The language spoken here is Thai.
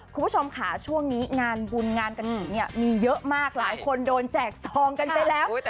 คุณผู้ชมค่ะช่วงนี้งานบุญงานกระถิ่นเนี่ยมีเยอะมากหลายคนโดนแจกซองกันไปแล้ว